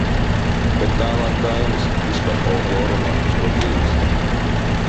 Bet tālāk dainas, viss par folkloru un latvisko dzīvesziņu.